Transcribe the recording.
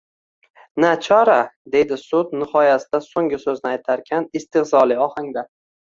– Nachora! – deydi sud nihoyasida so‘nggi so‘zini aytarkan, iztehzoli ohangda